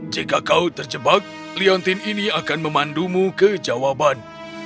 jika kau terjebak liontin ini akan memandumu ke jawaban